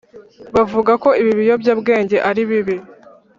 bavuga ko ibi biyobya bwenge ari bibi